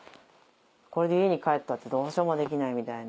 これで家に帰ったってどうしようもできないみたいな。